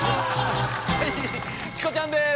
はいチコちゃんです。